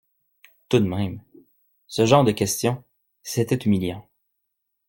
tout de même, ce genre de questions, c’était humiliant.